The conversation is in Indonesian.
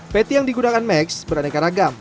patty yang digunakan max beraneka ragam